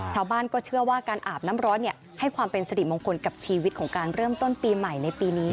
ชาวบ้านก็เชื่อว่าการอาบน้ำร้อนให้ความเป็นสริมงคลกับชีวิตของการเริ่มต้นปีใหม่ในปีนี้